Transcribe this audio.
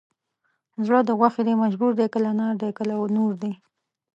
زړه د غوښې دی مجبور دی کله نار دی کله نور دی